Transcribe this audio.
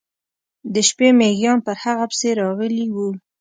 د شپې میږیان پر هغه پسې راغلي و.